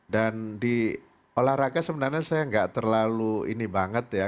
dan di olahraga sebenarnya saya gak terlalu ini banget ya